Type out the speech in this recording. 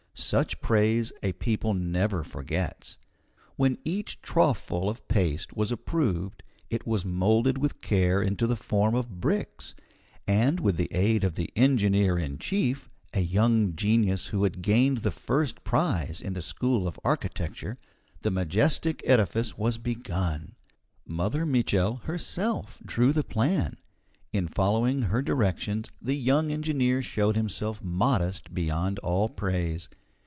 Such praise a people never forgets. When each troughful of paste was approved it was moulded with care into the form of bricks, and with the aid of the engineer in chief, a young genius who had gained the first prize in the school of architecture, the majestic edifice was begun. Mother Mitchel herself drew the plan; in following her directions, the young engineer showed himself modest beyond all praise.